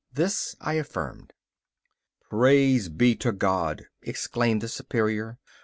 This I affirmed. 'Praise be to God!' exclaimed the Superior.